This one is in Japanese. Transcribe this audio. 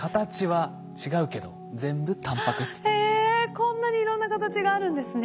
こんなにいろんな形があるんですね。